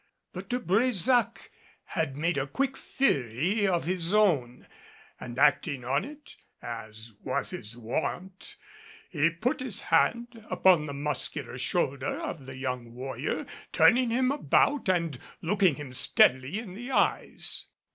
But De Brésac had made a quick theory of his own, and acting on it as was his wont, he put his hand upon the muscular shoulder of the young warrior, turning him about and looking him steadily in the eyes.